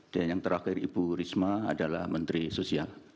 yang terakhir ibu risma adalah menteri sosial